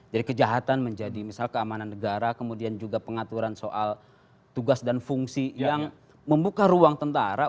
kejahatan menjadi misal keamanan negara kemudian juga pengaturan soal tugas dan fungsi yang membuka ruang tentara